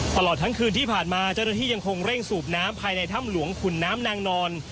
ตลอดทั้งคืนที่ผ่านมาเจ้าหน้าที่ยังคงเร่งสูบน้ำภายในถ้ำหลวงขุนน้ำนางนอน